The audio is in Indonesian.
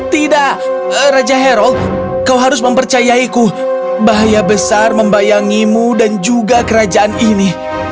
tidak raja herod kau harus mempercayaiku bahaya besar membayangimu dan juga kerajaan ini